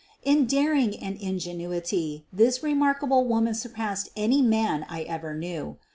In daring and ingenuity this remarkable woman surpassed any man I ever knew.